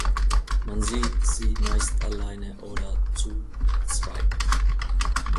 Man sieht sie meist alleine oder zu zweit.